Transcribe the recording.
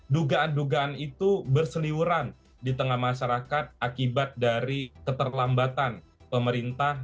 dugaan dugaan itu berseliuran di tengah masyarakat akibat dari keterlambatan pemerintah